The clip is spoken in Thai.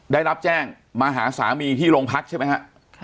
ได้รับแจ้งมาหาสามีที่โรงพักใช่ไหมฮะ